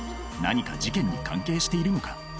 何か事件に関係しているのか？